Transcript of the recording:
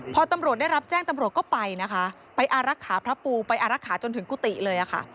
พอตำรวจได้รับแจ้งก็ไปอารักษาพระปูจนถึงกุฏิเลย